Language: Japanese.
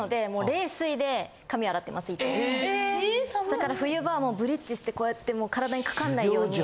だから冬場もブリッジしてこうやってもう体にかかんないように。